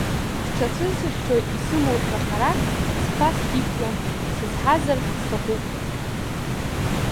Сҽацәысхьчоит исымоушәа харак, сԥа сиқәлам, сызҳазар сҭахуп.